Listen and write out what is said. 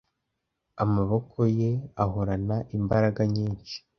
amaboko ye ahorana imbaraga nyinshi